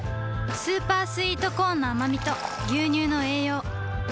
スーパースイートコーンのあまみと牛乳の栄養